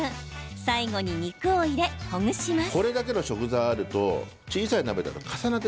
最後に肉を入れ、ほぐします。